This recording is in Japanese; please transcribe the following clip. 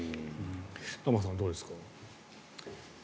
玉川さん、どうですか。